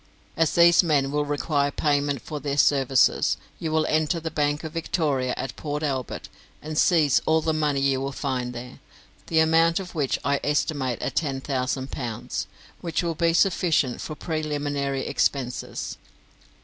As these men will require payment for their services, you will enter the Bank of Victoria at Port Albert, and seize all the money you will find there, the amount of which I estimate at ten thousand pounds, which will be sufficient for preliminary expenses.